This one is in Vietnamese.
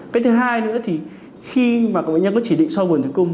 cái thứ hai nữa thì khi mà bệnh nhân có chỉ định soi bùn tử cung